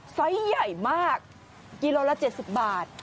ไซส์ใหญ่มากกิโลละ๗๐บาท